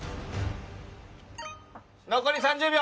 残り３０秒。